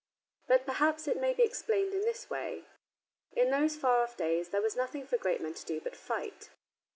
But perhaps it may be explained in this way. In those far off days there was nothing for great men to do but fight.